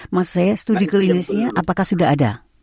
maksud saya studi klinisnya apakah sudah ada